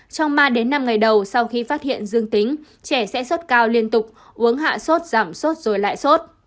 trong ba đến năm ngày đầu sau khi phát hiện dương tính trẻ sẽ sốt cao liên tục uống hạ sốt giảm sốt rồi lại sốt